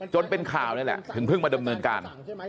จนเป็นข่าวนี่แหละถึงเพิ่งมาดำเนินการ